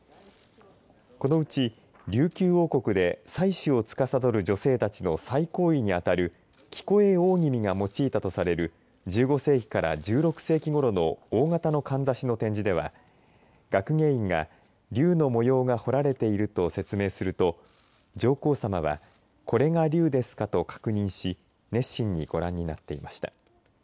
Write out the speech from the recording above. このうち、琉球王国で祭しをつかさどる女性たちの最高位に当たる聞得大君が用いたとされる１５世紀から１６世紀ごろの大型のかんざしの展示では学芸員が竜の模様が彫られていると説明すると上皇さまはこれが竜ですかと確認し熱心に、ご覧になっていました。